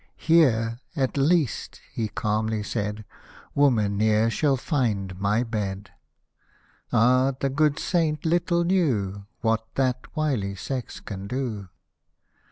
" Here, at least," he calmly said, "Woman ne'er shall find my bed.'^ Ah ! the good saint little knew What that wily sex can do.